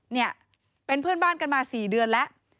เนี่ยเป็นเพื่อนบ้านกันมา๔เดือนแล้ว